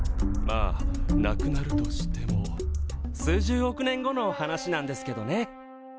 まあなくなるとしても数十億年後の話なんですけどね。